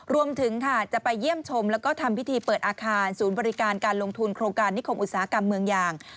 รวมถึงค่ะจะไปเยี่ยมชมแล้วก็ทำพิธีเปิดอาคารศูนย์บริการการลงทุนโครงการนิคมอุตสาหกรรมเมืองยาง